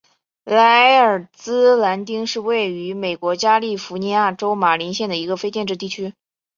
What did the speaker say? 莱尔兹兰丁是位于美国加利福尼亚州马林县的一个非建制地区。